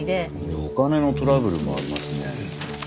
お金のトラブルもありますね。